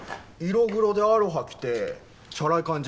色黒でアロハ着てチャラい感じ。